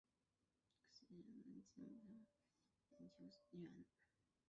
中国科学院国家天文台南京天文光学技术研究所研究员。